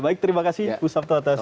baik terima kasih ustaz tawatas